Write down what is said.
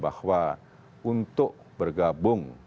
bahwa untuk bergabung